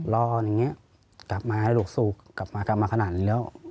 รออย่างนี้กลับมาแล้วลูกสู้กลับมากลับมาขนาดนี้แล้ว